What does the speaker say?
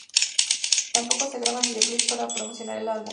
Tampoco se graban videoclips para promocionar el álbum.